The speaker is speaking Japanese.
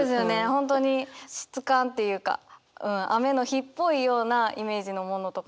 本当に湿感っていうか雨の日っぽいようなイメージのものとかも多くて。